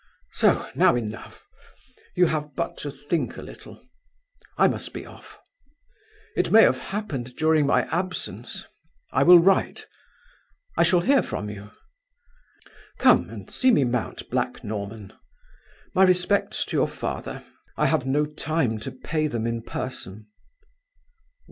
So, now enough. You have but to think a little. I must be off. It may have happened during my absence. I will write. I shall hear from you? Come and see me mount Black Norman. My respects to your father. I have no time to pay them in person.